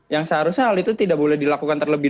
yang seharusnya hal itu tidak boleh dilakukan terlebih